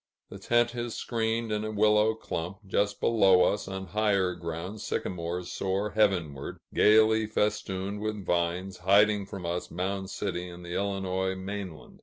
The tent is screened in a willow clump; just below us, on higher ground, sycamores soar heavenward, gayly festooned with vines, hiding from us Mound City and the Illinois mainland.